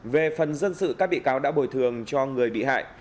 về phần dân sự các bị cáo đã bồi thường cho người bị hại